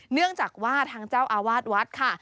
เนื่องจากว่าทางเจ้าอาวาสวัดค่ะ